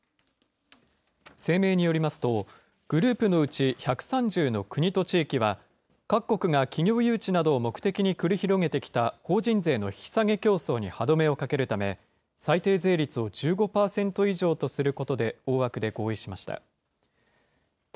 声明によりますと、グループのうち、１３０の国と地域は、各国が企業誘致などを目的に繰り広げてきた法人税の引き下げ競争に歯止めをかけるため、最低税率を１５％以上とすることで大枠で合意しました。